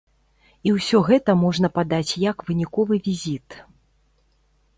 І ўсё гэта можна падаць як выніковы візіт.